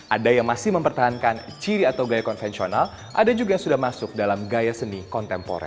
ada yang masih mempertahankan ciri atau gaya konvensional ada juga yang sudah masuk dalam gaya seni kontemporer